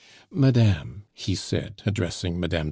"Madame," he said, addressing Mme.